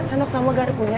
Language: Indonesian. sendok sama garpunya